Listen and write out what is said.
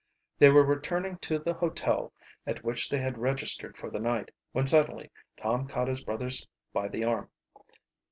They were returning to the hotel at which they had registered for the night when suddenly Tom caught his brothers by the arm.